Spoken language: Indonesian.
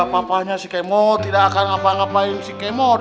papahnya si kemot tidak akan ngapa ngapain si kemot